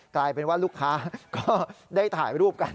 กลายเป็นว่าลูกค้าก็ได้ถ่ายรูปกัน